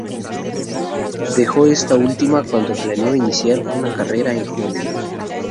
Dejó esta última cuando planeó iniciar una carrera en Hollywood.